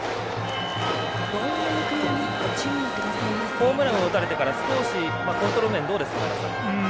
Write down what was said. ホームランを打たれてから少しコントロール面どうですか。